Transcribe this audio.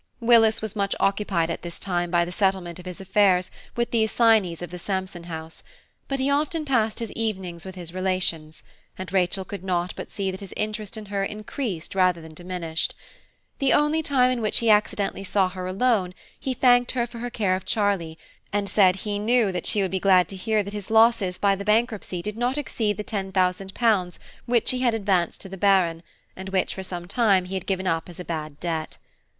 Willis was much occupied at this time by the settlement of his affairs with the assignees of the Sampson house; but he often passed his evenings with his relations, and Rachel could not but see that his interest in her increased rather than diminished. The only time in which he accidentally saw her alone he thanked her for her care of Charlie, and said he knew she would be glad to hear that his losses by the bankruptcy did not exceed the £10,000 which he had advanced to the Baron, and which, for some time, he had given up as a bad debt.